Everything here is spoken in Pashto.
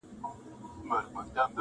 په بدلو څوک نه لوئېږي.